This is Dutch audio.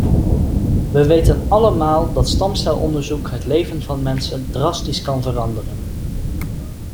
We weten allemaal dat stamcelonderzoek het leven van mensen drastisch kan veranderen.